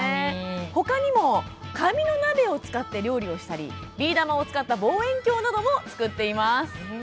ほかにも紙の鍋を使って料理したりビー玉を使った望遠鏡なども作っています。